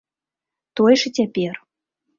Тое ж і цяпер.